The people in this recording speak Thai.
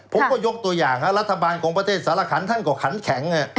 ผมก็ยกตัวอย่างรัฐบาลของประเทศสารขันท่านก็ขันแข็ง